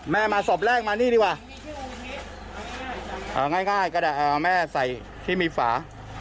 แม่มาศพแรกมานี่ดีกว่าเอาง่ายก็ได้แม่ใส่ที่มีฝา